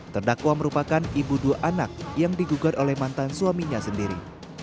terdakwa merupakan ibu dua anak yang digugat oleh mantan suaminya sendiri